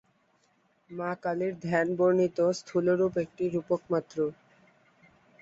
মা কালীর ধ্যান বর্ণিত স্থূল রূপ একটি রূপক মাত্র।